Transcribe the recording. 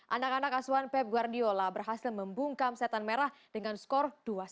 anak anak asuhan pep guardiola berhasil membungkam setan merah dengan skor dua satu